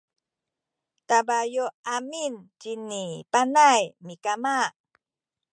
tabuyu’ amin cini Panay mikama